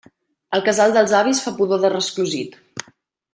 El casal dels avis fa pudor de resclosit.